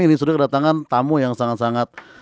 ini sudah kedatangan tamu yang sangat sangat